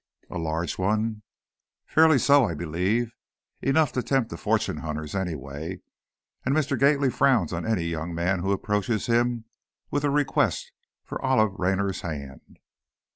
"A large one?" "Fairly so, I believe. Enough to tempt the fortune hunters, anyway, and Mr. Gately frowns on any young man who approaches him with a request for Olive Raynor's hand."